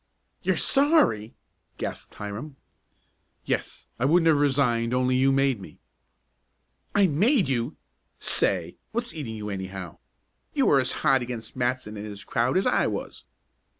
"You're sorry?" gasped Hiram. "Yes, I wouldn't have resigned only you made me." "I made you! Say, what's eating you, anyhow? You were as hot against Matson and his crowd as I was."